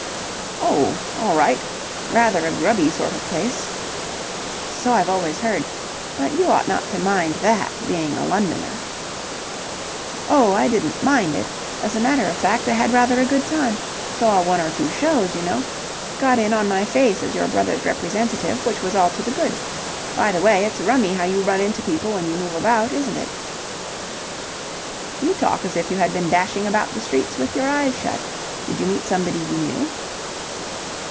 "Oh, all right. Rather a grubby sort of place." "So I've always heard. But you ought not to mind that, being a Londoner." "Oh, I didn't mind it. As a matter of fact, I had rather a good time. Saw one or two shows, you know. Got in on my face as your brother's representative, which was all to the good. By the way, it's rummy how you run into people when you move about, isn't it?" "You talk as if you had been dashing about the streets with your eyes shut. Did you meet somebody you knew?"